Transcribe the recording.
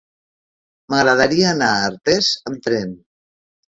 M'agradaria anar a Artés amb tren.